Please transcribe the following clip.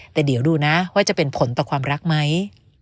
แต่เดี๋ยวดูนะว่าจะเป็นผลต่อความรักไหม